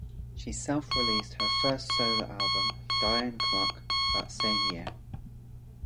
She self-released her first solo album, "Diane Cluck", that same year.